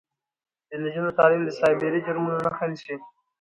د نجونو تعلیم د سایبري جرمونو مخه نیسي.